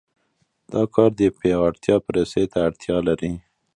دا کار د پیاوړتیا پروسې ته اړتیا لري.